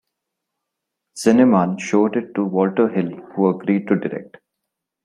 Zinnemann showed it to Walter Hill who agreed to direct.